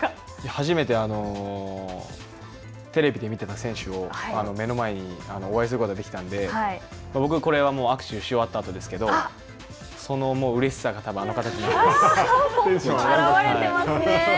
初めてテレビで見てた選手を目の前にお会いすることができたんで僕、これは握手し終わったあとですけど、そのうれしさがたぶんあの形になっています。